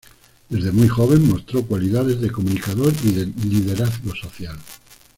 Desde muy joven mostró cualidades de comunicador y de liderazgo social.